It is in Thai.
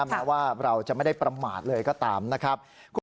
แม้ว่าเราจะไม่ได้ประมาทเลยก็ตามนะครับ